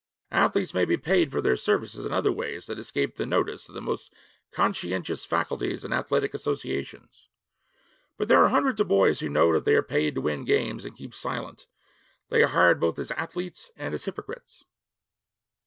Athletes may be paid for their services in other ways that escape the notice of the most conscientious faculties and athletic associations. But there are hundreds of boys who know that they are paid to win games and keep silent; they are hired both as athletes and as hypocrites.